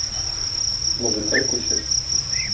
Музыкаль күчеш.